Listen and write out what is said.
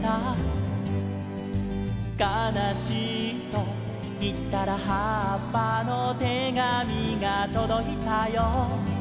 「かなしいといったらはっぱの手紙がとどいたよ」